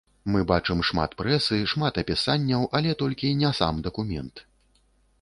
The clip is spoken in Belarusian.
Мы бачым шмат прэсы, шмат апісанняў, але толькі не сам дакумент.